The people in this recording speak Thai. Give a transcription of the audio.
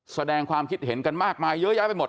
แสดงความคิดเห็นกันมากมายเยอะแยะไปหมด